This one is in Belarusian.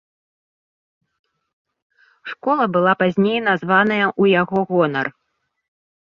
Школа была пазней названая ў яго гонар.